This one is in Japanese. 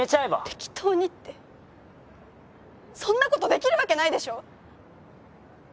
適当にってそんなことできるわけないでしょ